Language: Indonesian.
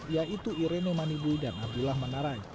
yaitu irene manibu dan abdullah manarai